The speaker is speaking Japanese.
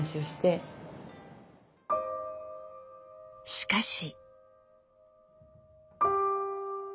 しかし。